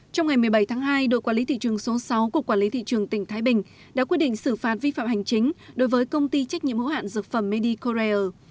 trong ngày một mươi bảy tháng hai đội quản lý thị trường số sáu của quản lý thị trường tỉnh thái bình đã quyết định xử phạt vi phạm hành chính đối với công ty trách nhiệm hữu hạn dược phẩm medicorier